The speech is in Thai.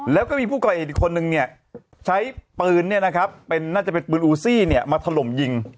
แล้วก็มีผู้ก่อเหตุอีกคนนึงเนี่ยใช้ปืนน่าจะเป็นปืนอูซี่มาถล่มยิง